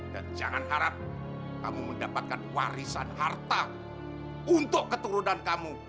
dan jangan harap kamu mendapatkan warisan harta untuk keturunan kamu